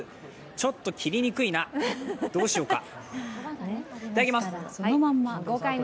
ちょっと切りにくいな、どうしようか。